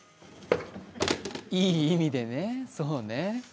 いい意味でね、そうね。